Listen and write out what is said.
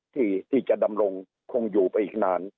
ที่จะดำรงคงอยู่ไปอีกนาน